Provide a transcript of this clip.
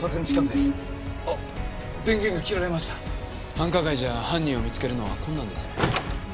繁華街じゃ犯人を見つけるのは困難です。